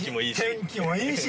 ◆天気もいいし。